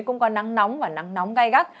cũng có nắng nóng và nắng nóng gai gắt